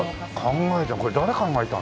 考えたこれ誰考えたの？